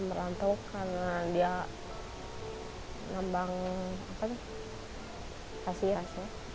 merantau karena dia nambang kasir